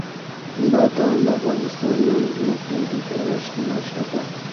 بادام د افغانستان د ځمکې د جوړښت نښه ده.